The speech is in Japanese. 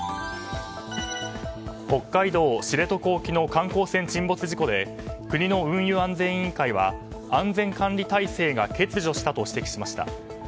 北海道知床沖の観光船沈没事故で国の運輸安全委員会は安全管理体制が欠如したと指摘しました。